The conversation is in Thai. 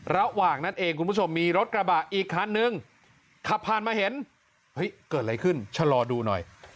ระหว่างนั้นเองคุณผู้ชมมีรถกระบะอีกคันนึงขับผ่านมาเห็นเฮ้ยเกิดอะไรขึ้นชะลอดูหน่อย